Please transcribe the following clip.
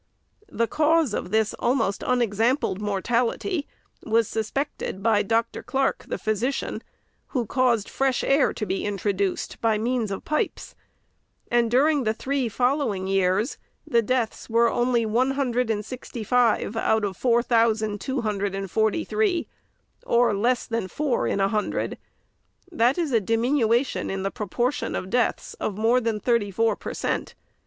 TRe cause of this almost unexampled mortality was suspected by Dr. Clarke, the physician, who caused fresh air to be introduced by 440 REPORT OP THE SECRETARY means of pipes, and during the three following years, the deaths were only one hundred and sixty five out of four thousand two hundred and forty three, or less than four in a hundred ; that is, a diminution in the propor tion of deaths of more than than thirty four per cent.